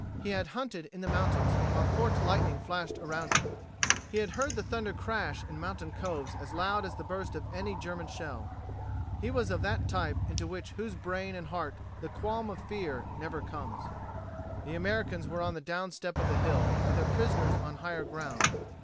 He had hunted in the mountains while forked lightning flashed around him. He had heard the thunder crash in mountain coves as loud as the burst of any German shell. He was of that type into whose brain and heart the qualm of fear never comes. The Americans were on the downstep of the hill with their prisoners on the higher ground.